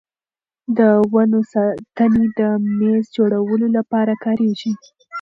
د ونو تنې د مېز جوړولو لپاره کارېږي.